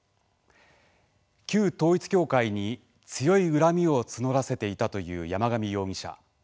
旧統一教会に強い恨みを募らせていたという山上容疑者。